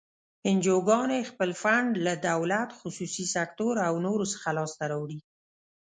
انجوګانې خپل فنډ له دولت، خصوصي سکتور او نورو څخه لاس ته راوړي.